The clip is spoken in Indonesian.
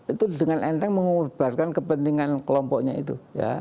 itu dengan enteng mengorbankan kepentingan kelompoknya itu